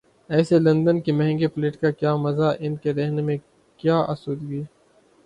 ایسے لندن کے مہنگے فلیٹ کا کیا مزہ، ان کے رہنے میں کیا آسودگی؟